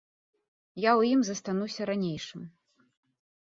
Я ў ім застануся ранейшым.